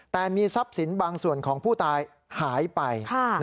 แต่มีทรัพย์สินบางส่วนของผู้ตายหายไป